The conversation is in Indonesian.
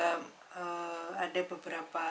dan juga ada beberapa